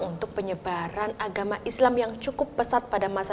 untuk penyebaran agama islam yang cukup besar